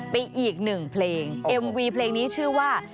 อีกหนึ่งเพลงเอ็มวีเพลงนี้ชื่อว่า